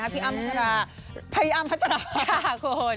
พี่อัมพัชราพี่อัมพัชราค่ะคุณ